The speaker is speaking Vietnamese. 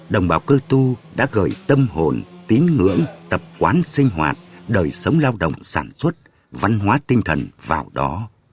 đồng bào cơ tu đã gửi tâm hồn tín ngưỡng tập quán sinh hoạt đời sống lao động sản xuất văn hóa tinh thần vào đó